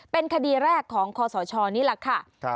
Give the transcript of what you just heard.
เป็นคดีแรกของคศนี่แหละค่ะ